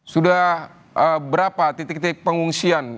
sudah berapa titik titik pengungsian